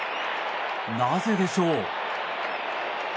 なぜでしょう？